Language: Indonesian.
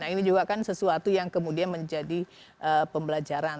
nah ini juga kan sesuatu yang kemudian menjadi pembelajaran